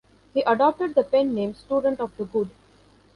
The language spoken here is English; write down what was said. He adopted the pen name "Student of the Good".